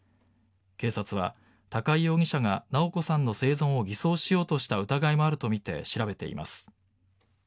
警察は高井容疑者が直子さんの生存を偽装しようとした疑いもあるとみて調べています。